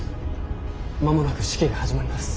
間もなく式が始まります。